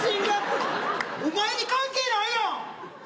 お参り関係ないやん！